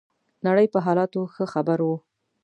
نړۍ په حالاتو ښه خبر وو.